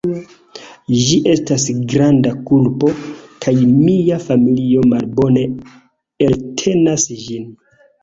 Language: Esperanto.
Ĝi estas granda kulpo, kaj mia familio malbone eltenas ĝin.